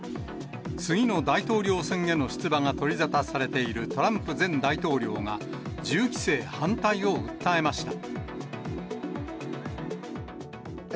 次の大統領選への出馬が取り沙汰されているトランプ前大統領が、銃規制反対を訴えました。